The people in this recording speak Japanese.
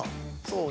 そう。